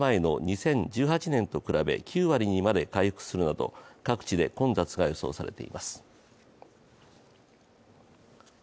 ２０１８年に比べ９割にまで回復するなど各地で混雑が予想されています。